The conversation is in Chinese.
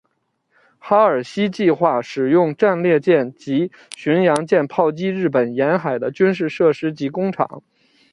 哈尔西计划使用战列舰及巡洋舰炮击日本沿海的军事设施及工厂。